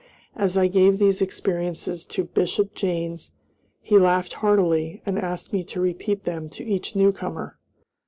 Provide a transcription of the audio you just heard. As I gave these experiences to Bishop Janes he laughed heartily, and asked me to repeat them to each newcomer.